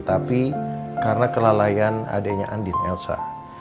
tapi karena kelalaian adanya andin elsa